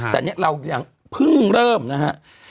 แต่เนี่ยเรายังเพิ่งเริ่มนะฮะ